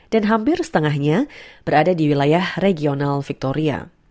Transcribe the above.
dan hampir setengahnya berada di wilayah regional victoria